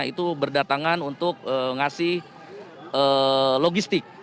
itu berdatangan untuk ngasih logistik